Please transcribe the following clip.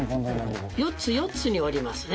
４つ４つに折りますね。